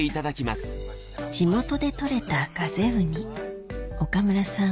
地元で採れたガゼウニ岡村さん